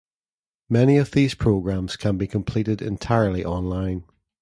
Many of these programs can be completed entirely online.